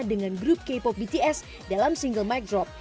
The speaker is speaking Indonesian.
dengan grup k pop bts dalam single mic drop